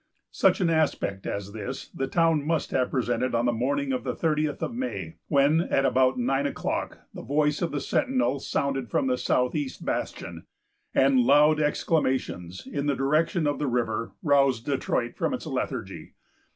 Such an aspect as this the town must have presented on the morning of the thirtieth of May, when, at about nine o'clock, the voice of the sentinel sounded from the south east bastion; and loud exclamations, in the direction of the river, roused Detroit from its lethargy.